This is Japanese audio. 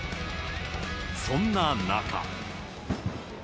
そんな中。